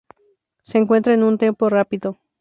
Se encuentra en un "tempo" rápido.